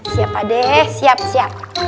siap pak deh siap siap